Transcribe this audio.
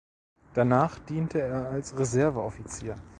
Danach diente er als Reserve-Offizier.